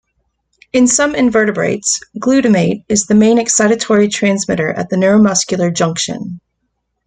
In some invertebrates, glutamate is the main excitatory transmitter at the neuromuscular junction.